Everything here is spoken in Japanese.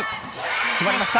決まりました！